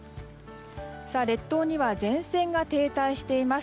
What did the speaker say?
列島には前線が停滞しています。